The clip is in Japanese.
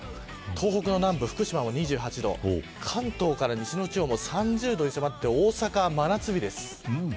東北の南部、福島も２８度関東から西の地方も３０度に迫って大阪、真夏日です。